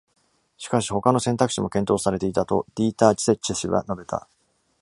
しかし、他の選択肢も検討されていたとディーター・ツェッチェ氏は述べた。